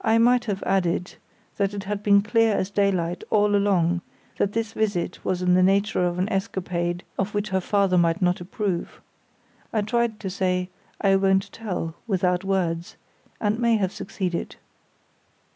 I might have added that it had been clear as daylight all along that this visit was in the nature of an escapade of which her father might not approve. I tried to say "I won't tell," without words, and may have succeeded.